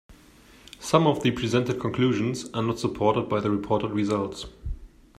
Some of the presented conclusions are not supported by the reported results.